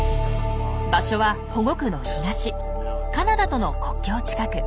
場所は保護区の東カナダとの国境近く。